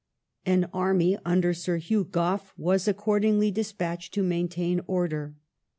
An army under Sir Hugh Gough was, accordingly, despatched to maintain order.